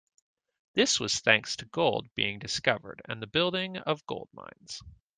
This was thanks to gold being discovered and the building of gold mines.